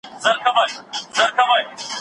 د غلامۍ په ځنځیرونو کي اسیر مولوي